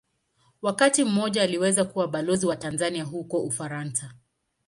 Wakati mmoja aliweza kuwa Balozi wa Tanzania huko Ufaransa.